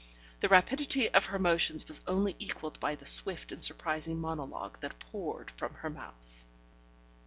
The rapidity of her motions was only equalled by the swift and surprising monologue that poured from her mouth.